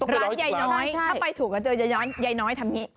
ร้านยายน้อยถ้าไปถูกก็จะเจอยายน้อยทำนี้